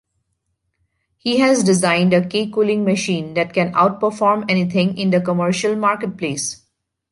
He has designed a cake-cooling machine that can outperform anything in the commercial marketplace.